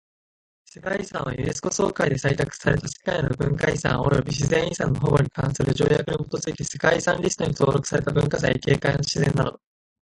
世界遺産はユネスコ総会で採択された世界の文化遺産及び自然遺産の保護に関する条約に基づいて世界遺産リストに登録された文化財、景観、自然など。